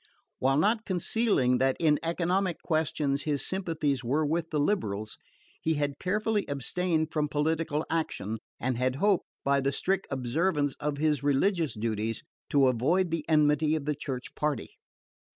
While not concealing that in economic questions his sympathies were with the liberals, he had carefully abstained from political action, and had hoped, by the strict observance of his religious duties, to avoid the enmity of the Church party.